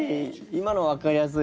今のわかりやすい。